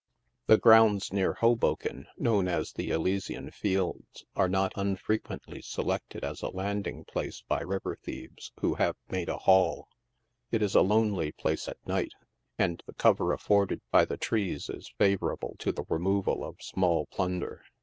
The grounds near Hoboken, known as the " Elysian Fields," are not unfrequently selected as a landing place by river thieves who have " made a haul." It is a lonely place at night, and the cover affordea by the trees is favorable to the removal of small plunder.